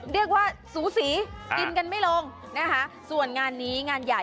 เรียกว่าสูสีกินกันไม่ลงส่วนงานนี้งานใหญ่